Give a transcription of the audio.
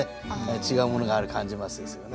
違うものがある感じますですよね。